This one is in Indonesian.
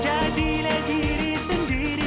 jadilah diri sendiri